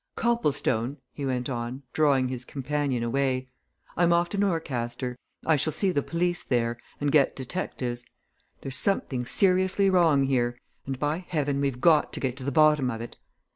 Copplestone!" he went on, drawing his companion away, "I'm off to Norcaster I shall see the police there and get detectives. There's something seriously wrong here and by heaven, we've got to get to the bottom of it!